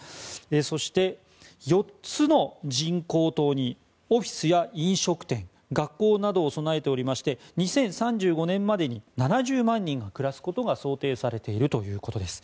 そして４つの人工島にオフィスや飲食店、学校などを備えておりまして２０３５年前に７０万人が暮らすことが想定されているということです。